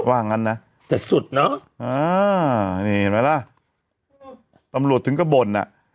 ว่างั้นนะแต่สุดเนอะอ่านี่เห็นไหมล่ะตำรวจถึงก็บ่นอ่ะ